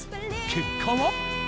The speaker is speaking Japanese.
結果は？